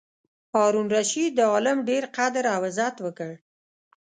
هارون الرشید د عالم ډېر قدر او عزت وکړ.